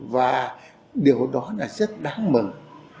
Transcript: và điều đó là rất đáng mừng